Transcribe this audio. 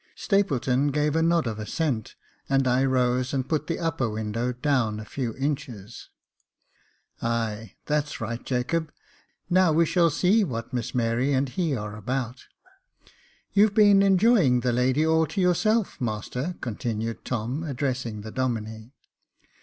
Stapleton gave a nod of assent, and I rose and put the upper window down a Jacob Faithful 241 few inches. " Ay, that's right, Jacob ; now we shall see what Miss Mary and he are about. " You've been enjoy ing the lady all to yourself, master," continued Tom, addressing the Domine.